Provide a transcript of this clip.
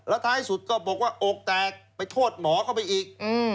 ท้ายสุดก็บอกว่าอกแตกไปโทษหมอเข้าไปอีก